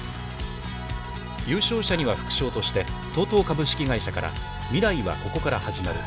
優勝者には副賞としてＴＯＴＯ株式会社から「未来は、ここから始まる。」